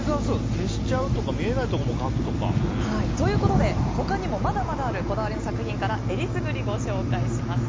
消しちゃうとか見えないところも描くとか。ということで他にもまだまだあるこだわりの作品からえりすぐりをご紹介します。